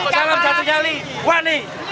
salam satu jali wani